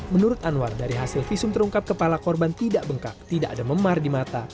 menurut anwar dari hasil visum terungkap kepala korban tidak bengkak tidak ada memar di mata